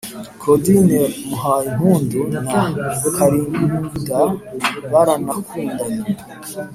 claudine muhayimpundu na karimumda baranakundanye